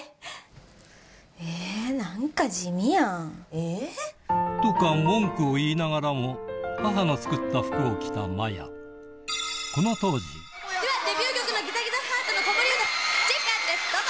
え？とか文句を言いながらも母の作った服を着たまやデビュー曲の『ギザギザハートの子守唄』チェッカーズですどうぞ！